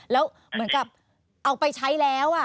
แล้วเหมือนกับเอาไปใช้แล้ว